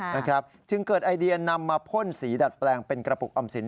นะครับจึงเกิดไอเดียนำมาพ่นสีดัดแปลงเป็นกระปุกออมสิน